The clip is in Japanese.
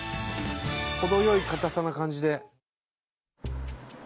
程よい硬さな感じで。